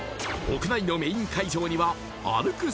屋内のメイン会場には歩く